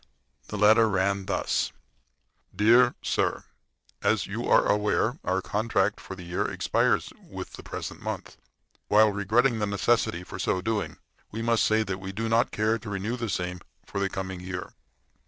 The letter ran thus: DEAR SIR: As you are aware, our contract for the year expires with the present month. While regretting the necessity for so doing, we must say that we do not care to renew same for the coming year.